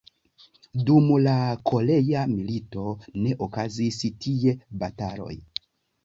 Dum la Korea milito ne okazis tie bataloj.